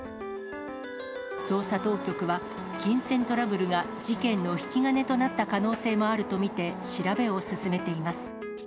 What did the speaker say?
捜査当局は、金銭トラブルが事件の引き金となった可能性もあると見て、調べを進めています。